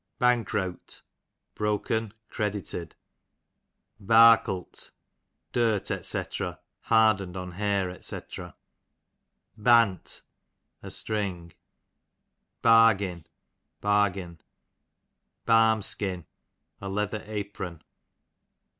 Bankreawt, broken credited. Barklt, dirt, dc. hardened on hair, %c. Bant, a string. Bargin, bargain. Barmskin, a leather apron.